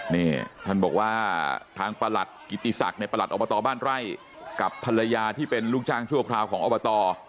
นี่ท่านบอกว่าทางประหลัดกิติศักดิ์ในประหลัดอบตบ้านไร่กับภรรยาที่เป็นลูกจ้างชั่วคราวของอบต